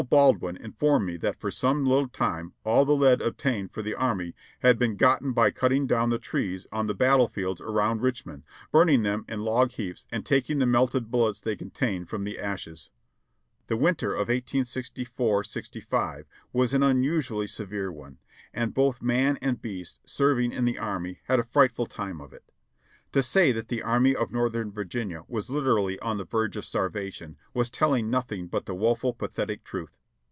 Bald win informed me that for some little time all the lead obtained for the army had been gotten by cutting down the trees on the battle fields around Richmond, burning them in log heaps and taking the melted bullets they contained from the ashes." (From a printed letter by Edmund Berkeley, Waterfall, Va.) The winter of 1864 5 was an unusually severe one, and both man and beast serving in the army had a frightful time of it. FAMINE 663 To say that the Army of Xortheni Virginia was Hterally on the verge of starvation was telHng nothing but the woeful, pathetic truth.